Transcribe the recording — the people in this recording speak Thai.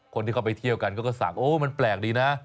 คนที่เข้าไปเที่ยวกันเขาก็สั่งโอ้มันแปลกดีนะ